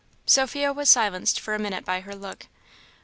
" Sophia was silenced for a minute by her look.